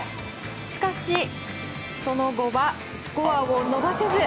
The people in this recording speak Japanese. しかしその後はスコアを伸ばせず。